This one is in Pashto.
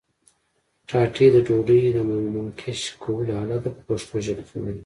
ټاټې د ډوډۍ د منقش کولو آله ده په پښتو ژبه خبرې.